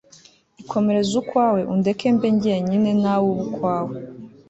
ikomereze ukwawe undeke mbe jyenyine nawe ube ukwawe